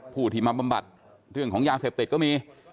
ผู้ที่มาบำบัดเรื่องของยาเสพติดก็มี